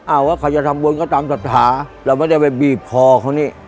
อ้าว้าวใครจะทำบุญก็ทำสัจฐาเรามันไม่ได้ไปบีบคอเค้านี่